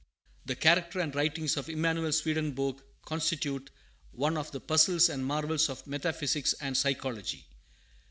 The character and writings of Emanuel Swedenborg constitute one of the puzzles and marvels of metaphysics and psychology.